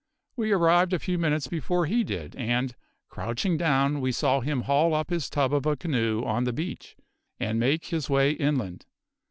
We arrived a few minutes before he did and, crouching down, we saw him haul up his tub of a canoe on the beach, and make his way inland.